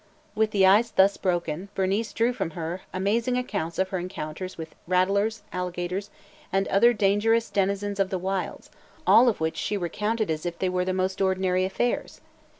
With the ice thus broken, Bernice drew from her amazing accounts of her encounters with rattlers, alligators, and other dangerous denizens of the wilds, all of which she recounted as if they were the most ordinary affairs.